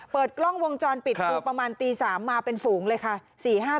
เปิดกล้องวงจรปิดดูประมาณตี๓มาเป็นฝูงเลยค่ะ